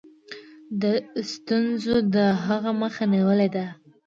ستونزو د هغه مخه نیولې ده.